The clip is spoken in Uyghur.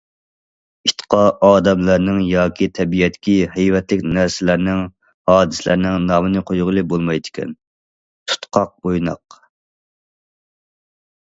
ئىتقا ئادەملەرنىڭ ياكى تەبىئەتتىكى ھەيۋەتلىك نەرسىلەرنىڭ، ھادىسىلەرنىڭ نامىنى قويغىلى بولمايدىكەن، تۇتقاق،« بويناق».